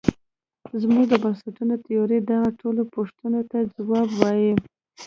زموږ د بنسټونو تیوري دغو ټولو پوښتونو ته ځواب وايي.